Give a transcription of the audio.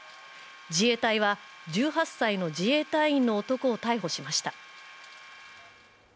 自衛隊は１８歳の自衛隊員の男を逮捕しました。